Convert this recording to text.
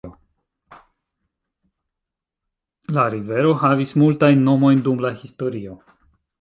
La rivero havis multajn nomojn dum la historio.